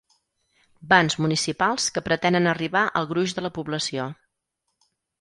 Bans municipals que pretenen arribar al gruix de la població.